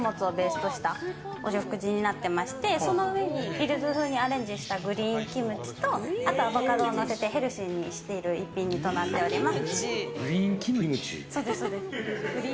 その上にｂｉｌｌｓ風にアレンジしたグリーンキムチとあとアボカドをのせてヘルシーにしている一品となっています。